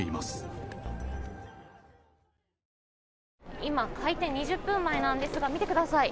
今、開店２０分前なんですが見てください。